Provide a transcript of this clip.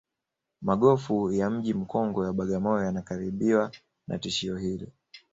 magofu ya mji mkongwe wa bagamoyo yanakabiriwa na tishio hili